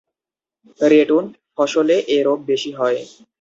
‘Ratoon’ ফসলে এ রোগ বেশি হয়।